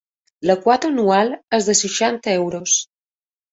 La quota anual és de seixanta euros.